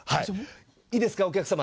いいですかお客様。